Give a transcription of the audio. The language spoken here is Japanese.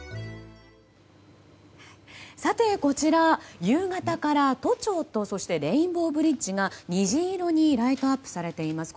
さて、こちら夕方から都庁とレインボーブリッジが虹色にライトアップされています。